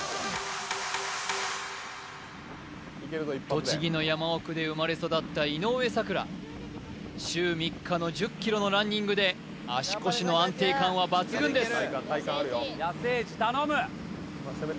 栃木の山奥で生まれ育った井上咲楽週３日の１０ｋｍのランニングで足腰の安定感は抜群です